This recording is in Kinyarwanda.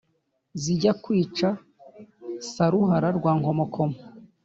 zijya kwica saruhara rwa nkomokomo